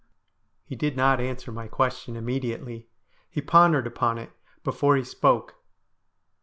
' He did not answer my question immediately. He pon dered upon it before he spoke.